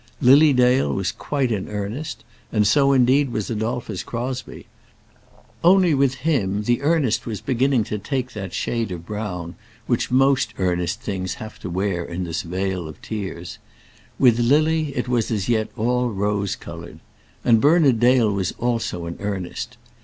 Lily Dale was quite in earnest and so indeed was Adolphus Crosbie, only with him the earnest was beginning to take that shade of brown which most earnest things have to wear in this vale of tears. With Lily it was as yet all rose coloured. And Bernard Dale was also in earnest.